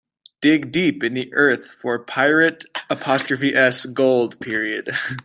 Dig deep in the earth for pirate's gold.